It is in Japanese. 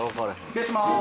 失礼します。